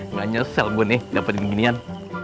nganyesel gue nih dapetin ginian